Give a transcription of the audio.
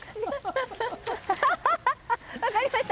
分かりました。